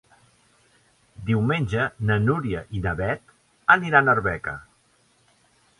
Diumenge na Núria i na Beth iran a Arbeca.